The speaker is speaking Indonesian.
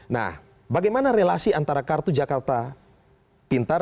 nah bagaimana relasi antara kartu jakarta pintar